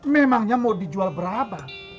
memangnya mau dijual berapa